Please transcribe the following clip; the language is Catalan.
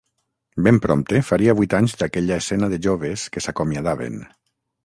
Ben prompte faria vuit anys d’aquella escena de joves que s’acomiadaven.